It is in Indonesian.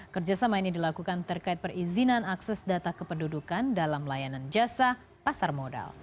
kerjasama ini dilakukan terkait perizinan akses data kependudukan dalam layanan jasa pasar modal